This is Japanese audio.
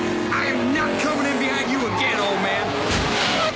あっ。